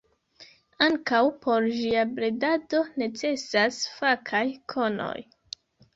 Ankaŭ por ĝia bredado necesas fakaj konoj.